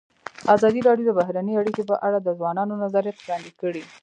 ازادي راډیو د بهرنۍ اړیکې په اړه د ځوانانو نظریات وړاندې کړي.